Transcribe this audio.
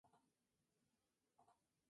La comedia musical marcó su inicio artístico.